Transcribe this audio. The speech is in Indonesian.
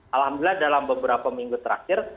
alhamdulillah dalam beberapa minggu terakhir